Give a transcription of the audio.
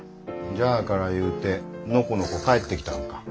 じゃあからいうてのこのこ帰ってきたんか。